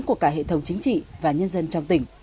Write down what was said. của cả hệ thống chính trị và nhân dân trong tỉnh